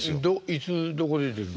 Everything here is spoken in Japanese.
いつどこで出るの？